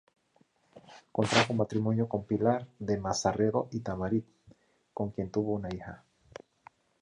Contrajo matrimonio con Pilar de Mazarredo y Tamarit, con quien tuvo una hija.